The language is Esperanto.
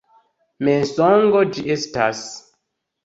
Mensogo ĝi estas!